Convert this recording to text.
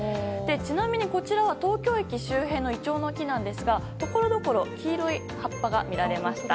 ちなみに、こちらは東京駅周辺のイチョウの木なんですがところどころ黄色い葉っぱが見られました。